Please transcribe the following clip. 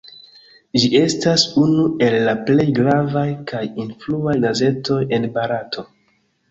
Ĝi estas unu el la plej gravaj kaj influaj gazetoj en Barato.